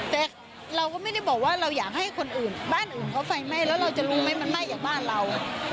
แต่เราก็ไม่ได้บอกว่าเราอยากให้คนอื่นบ้านอื่นเขาไฟไหม้แล้วเราจะรู้ไหมมันไหม้จากบ้านเรา